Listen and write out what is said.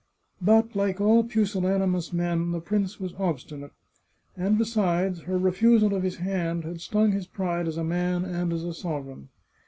But, like all pusillanimous men, the prince was obstinate ; and besides, her refusal of his hand had stung his pride as a man and as a sovereign.